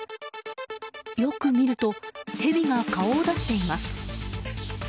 よく見るとヘビが顔を出しています。